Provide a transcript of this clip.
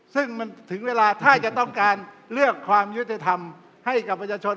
ซึ่งมันถึงเวลาถ้าจะต้องการเลือกความยุติธรรมให้กับประชาชน